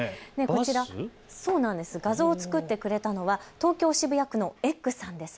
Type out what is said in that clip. こちら、画像を作ってくれたのは東京渋谷区のエッグさんです。